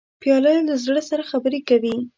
پیاله له زړه سره خبرې کوي.